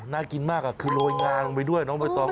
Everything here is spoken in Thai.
น่ากินมากคือโรยงาลงไปด้วยน้องใบตอง